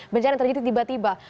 bencana terjadi tiba tiba